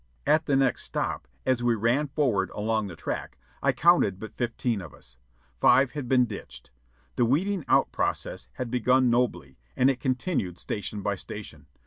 At the next stop, as we ran forward along the track, I counted but fifteen of us. Five had been ditched. The weeding out process had begun nobly, and it continued station by station.